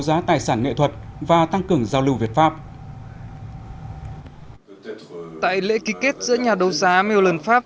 giá tài sản nghệ thuật và tăng cường giao lưu việt fab tại lễ ký kết giữa nhà đấu giá milan fab